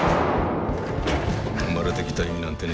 生まれてきた意味なんてねえよ。